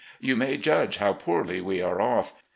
Y ou may judge how poorly we are off.